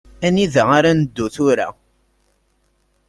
Anida ara neddu tura?